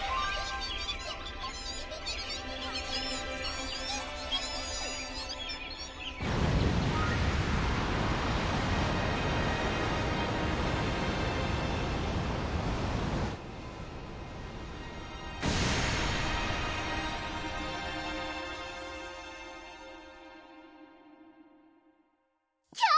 ピピピピピキャ！